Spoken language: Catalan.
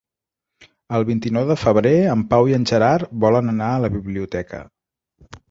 El vint-i-nou de febrer en Pau i en Gerard volen anar a la biblioteca.